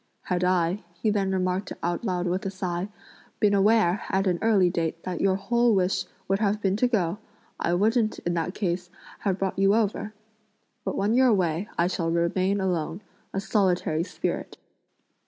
Had I," he then remarked aloud with a sigh, "been aware, at an early date, that your whole wish would have been to go, I wouldn't, in that case, have brought you over! But when you're away, I shall remain alone, a solitary spirit!"